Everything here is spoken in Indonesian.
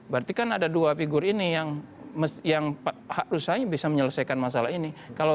berarti kan ada dua figur ini yang hak usahanya bisa menyelesaikan masalah ini